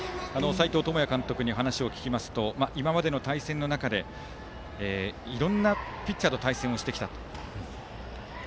斎藤智也監督に話を聞きますと今までの対戦の中でいろんなピッチャーと対戦をしてきたと。